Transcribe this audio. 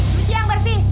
cuci yang bersih